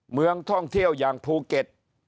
เมืองท่องเที่ยวอย่างภูเก็ต